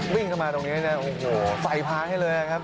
วิ่งเข้ามาตรงนี้นะโอ้โหไฟพาให้เลยนะครับ